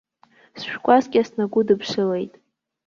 Шәкәасқьа снагәыдыԥшылеит.